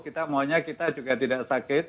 kita maunya kita juga tidak sakit